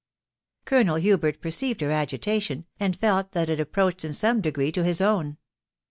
Colonel Hubert perceived her agitation, and fek that it approached in some degree to his own.